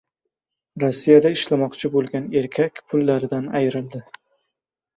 Rossiyada ishlamoqchi bo‘lgan erkak pullaridan ayrildi